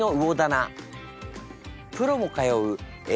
プロも通うＡ